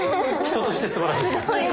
人としてすばらしい。